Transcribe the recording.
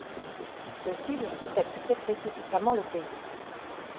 Ceci le pousse à quitter précipitamment le pays.